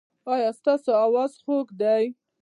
ایا ستاسو اواز خوږ دی؟